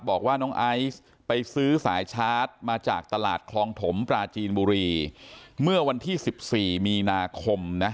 บอกว่าน้องไอซ์ไปซื้อสายชาร์จมาจากตลาดคลองถมปลาจีนบุรีเมื่อวันที่๑๔มีนาคมนะ